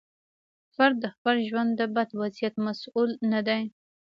فرد د خپل ژوند د بد وضعیت مسوول نه دی.